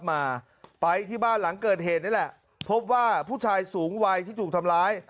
มาไปที่บ้านหลังเกิดเหตุนี่แหละพบว่าผู้ชายสูงวัยที่ถูกทำร้าย